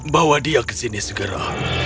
bawa dia ke sini segera